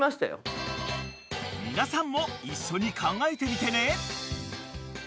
［皆さんも一緒に考えてみてね］